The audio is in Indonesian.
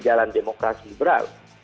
jalan demokrasi liberal